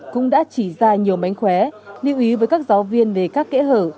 cũng đã chỉ ra nhiều mánh khóe lưu ý với các giáo viên về các kẽ hở